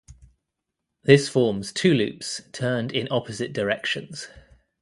This forms two loops, turned in opposite directions.